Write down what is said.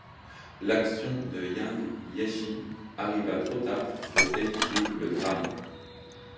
L'action de Jiang Jieshi arriva trop tard pour éviter le drame.